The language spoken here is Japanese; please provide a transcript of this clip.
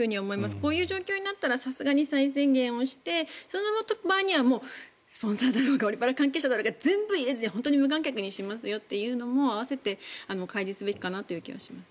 こういう状況になったらさすがに再宣言をしてその場合にはスポンサーだろうがオリ・パラ関係者だろうが全部入れずに本当に無観客にしますよというのも併せて開示すべきだと思います。